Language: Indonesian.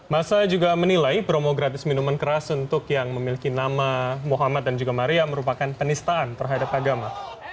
masa juga menilai promo gratis minuman keras untuk yang memiliki nama muhammad dan juga maria merupakan penistaan terhadap agama